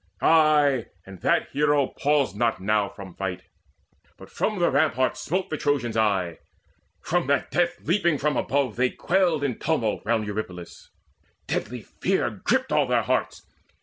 Ay, and that hero paused not now from fight, But from the ramparts smote the Trojans aye. From that death leaping from above they quailed In tumult round Eurypylus: deadly fear Gripped all their hearts.